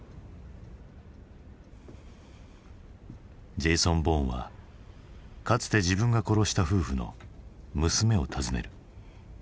ジェイソン・ボーンはかつて自分が殺した夫婦の娘を訪ねる。